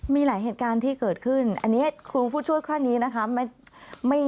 มีหลายเหตุการณ์ที่เกิดขึ้นอันนี้ครูผู้ช่วยข้อนี้นะคะ